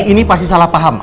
ini pasti salah paham